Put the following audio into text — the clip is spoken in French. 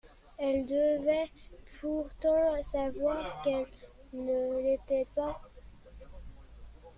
Elle devait pourtant savoir qu'elle ne l'était pas.